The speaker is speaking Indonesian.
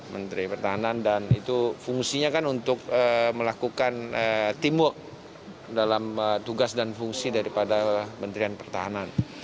menteri pertahanan dan itu fungsinya kan untuk melakukan teamwork dalam tugas dan fungsi daripada menterian pertahanan